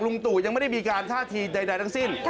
ตู่ยังไม่ได้มีการท่าทีใดทั้งสิ้น